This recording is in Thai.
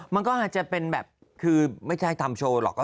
มันก็อาจจะเป็นแบบคือไม่ใช่ทำโชว์หรอก